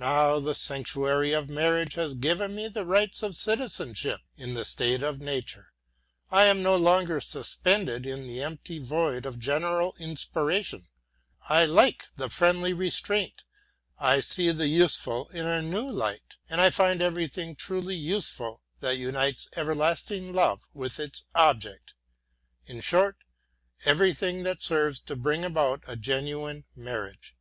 Now the sanctuary of marriage has given me the rights of citizenship in the state of nature. I am no longer suspended in the empty void of general inspiration; I like the friendly restraint, I see the useful in a new light, and find everything truly useful that unites everlasting love with its object in short everything that serves to bring about a genuine marriage.